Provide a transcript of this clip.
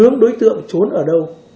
hướng đối tượng trốn ở đâu